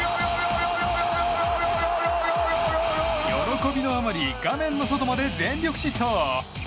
喜びのあまり画面の外まで全力疾走。